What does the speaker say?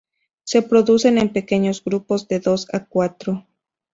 Se producen en pequeños grupos de dos a cuatro.